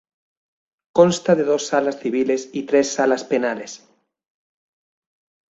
Consta de dos salas civiles y tres salas penales.